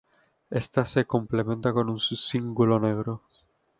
Ésta se complementa con un cíngulo negro.